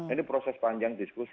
ini proses panjang diskusi